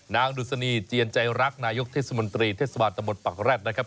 นางดุษณีย์เจียนใจรักนายกเทศมนตรีเทศวาสตร์ตะหมดปักแร็ดนะครับ